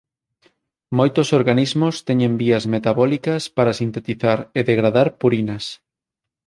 Moitos organismos teñen vías metabólicas para sintetizar e degradar purinas.